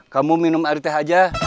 kamu minum air teh aja